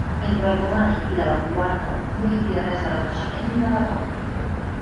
Entre el romànic i l'avantguarda no hi havia res de renaixement ni de barroc.